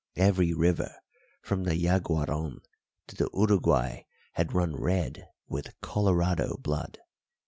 Every river from the Yaguaron to the Uruguay had run red with Colorado blood.